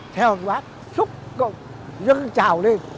theo bác xúc cộng dâng chào lên